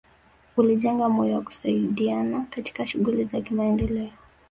Ulijenga moyo wa kusaidiana katika shughuli za kimaendeleo